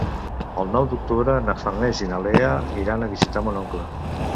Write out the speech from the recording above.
El nou d'octubre na Farners i na Lea iran a visitar mon oncle.